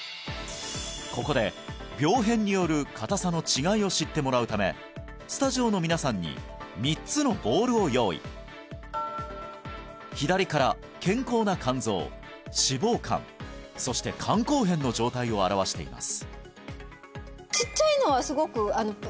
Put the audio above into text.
ここで病変による硬さの違いを知ってもらうためスタジオの皆さんに３つのボールを用意左から健康な肝臓脂肪肝そして肝硬変の状態を表しています